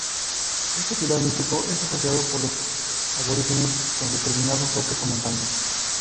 Este pilar místico es asociado por los aborígenes con determinados roques o montañas.